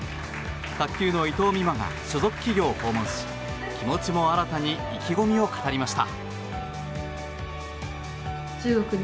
卓球の伊藤美誠が所属企業を訪問し気持ちも新たに意気込みを語りました。